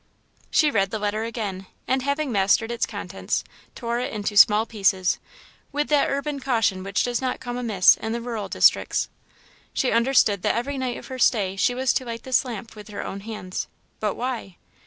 She read the letter again and, having mastered its contents, tore it into small pieces, with that urban caution which does not come amiss in the rural districts. She understood that every night of her stay she was to light this lamp with her own hands, but why?